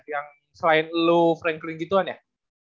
yang selain lo franklin gitu kan ya